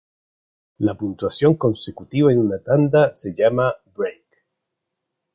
La puntuación consecutiva en una tanda se llama "break".